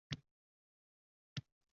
Allohim